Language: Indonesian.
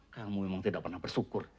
kamu memang tidak pernah bersyukur